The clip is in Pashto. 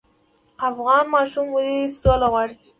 افغان ماشومان ولې سوله غواړي؟